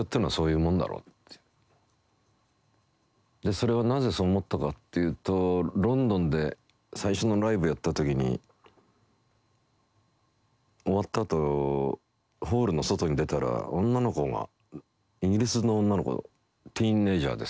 それはなぜそう思ったかっていうとロンドンで最初のライブやった時に終わったあとホールの外に出たら女の子がイギリスの女の子ティーンエージャーですよ。